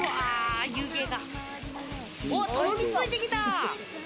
とろみ、ついてきた！